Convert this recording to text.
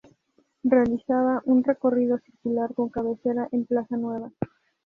Realizaba un recorrido circular con cabecera en Plaza Nueva.